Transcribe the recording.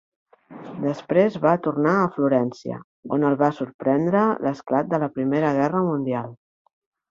Després va tornar a Florència, on el va sorprendre l'esclat de la Primera Guerra Mundial.